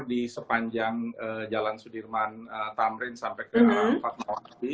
di sepanjang jalan sudirman tamrin sampai ke empat mawarabi